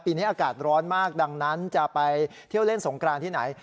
ปีนี้อากาศร้อนมากดังนั้นจะไปเที่ยวเล่นสงกรานที่ไหน